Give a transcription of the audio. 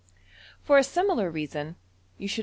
For a similar reason, you should a?